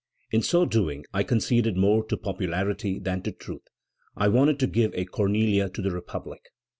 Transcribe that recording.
In so doing, I conceded more to popularity than to truth. I wanted to give a Cornelia to the Republic.